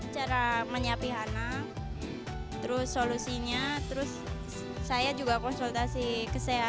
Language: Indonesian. cara menyiapkan anak terus solusinya terus saya juga konsultasi kesehatan